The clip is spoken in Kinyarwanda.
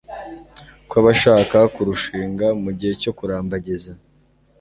kw'abashaka kurushiga' mu gihe cyo 'kurambagiza